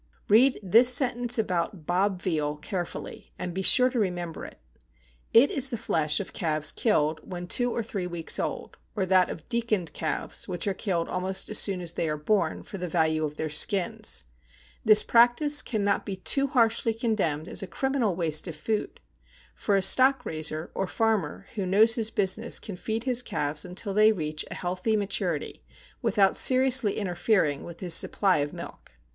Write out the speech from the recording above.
Read this sentence about BOB VEAL carefully, and be sure to remember it. It is the flesh of calves killed when two or three weeks old, or that of "deaconed calves," which are killed almost as soon as they are born, for the value of their skins. This practice cannot be too harshly condemned as a criminal waste of food; for a stock raiser, or farmer, who knows his business can feed his calves until they reach a healthy maturity, without seriously interfering with his supply of milk.